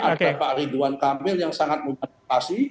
ada pak ridwan kamil yang sangat membatasi